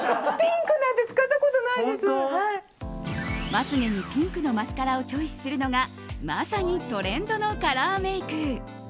まつ毛にピンクのマスカラをチョイスするのがまさにトレンドのカラーメイク。